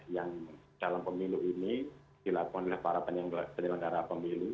yang dalam pemilu ini dilakukan oleh para penyelenggara pemilu